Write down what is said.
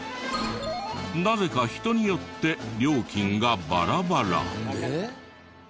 なぜか人によって料金がバラバラ。